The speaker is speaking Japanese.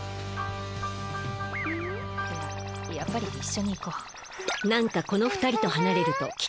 いややっぱり一緒に行こう。